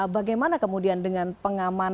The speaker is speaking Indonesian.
bagaimana kemudian dengan pengamanan